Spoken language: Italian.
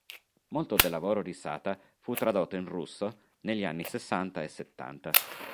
Molto del lavoro di Sata fu tradotto in russo negli anni sessanta e settanta.